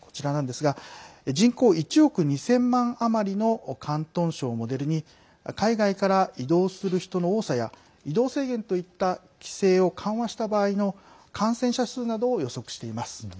人口１億２０００万あまりの広東省をモデルに海外から移動する人の多さや移動制限といった規制を緩和した場合の感染者数などを予測しています。